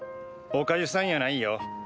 おかゆさんやないよ。